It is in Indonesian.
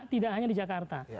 tidak hanya di jakarta